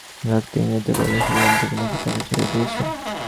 -রাখতে ইংরেজিতে বললেন, শুনলাম তুমি নাকি চাকরি ছেড়ে দিয়েছ?